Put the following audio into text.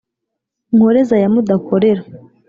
nkoreza ya mudakorera